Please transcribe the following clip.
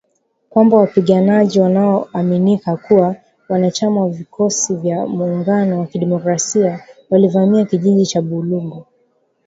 Kwamba wapiganaji wanaoaminika kuwa wanachama wa Vikosi vya Muungano wa Kidemokrasia walivamia kijiji cha Bulongo.